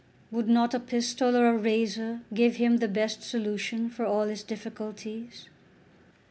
Would not a pistol or a razor give him the best solution for all his difficulties?